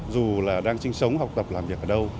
dù là đang sinh sống học tập làm việc ở đâu